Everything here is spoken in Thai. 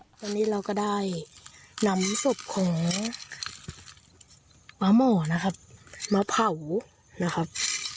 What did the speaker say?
ตอนนี้เราก็ได้นำศพของม้าหมอนะครับมาเผานะครับ